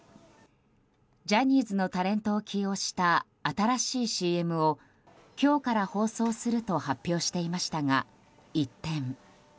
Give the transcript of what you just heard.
ジャニーズのタレントを起用した新しいＣＭを今日から放送すると発表していましたが一転。